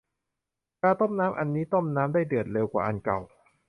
กาต้มน้ำอันนี้ต้มน้ำได้เดือดเร็วกว่าอันเก่า